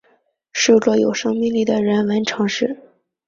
是个有生命力的人文城市